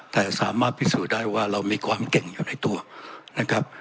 แต่สามารถพิสูจน์ได้ว่าเรามีความเก่งอยู่ในตัวนะครับ